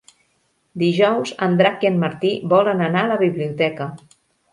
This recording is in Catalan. Dijous en Drac i en Martí volen anar a la biblioteca.